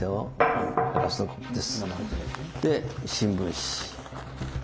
で新聞紙。